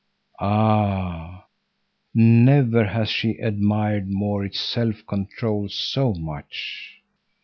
Ah, never has she admired Maurits's self control so much!